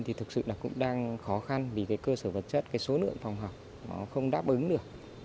thì thực sự cũng đang khó khăn vì cơ sở vật chất số lượng phòng học không đáp ứng được